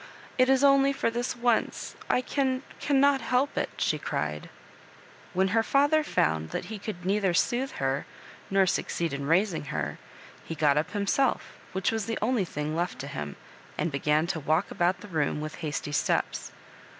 " It is only for this once — I can— cannot help it," she cried. When her father found that he could neither soothe her, nor succeed in raising her, he got up himself, which was the only thing left to him, and began to walk about the room with hasty steps.